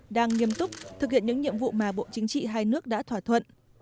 đang nghiêm túc thực hiện những nhiệm vụ mà bộ chính trị hai nước đã thỏa thuận